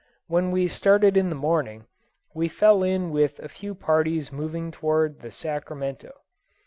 When we started in the morning we fell in with a few parties moving towards the Sacramento.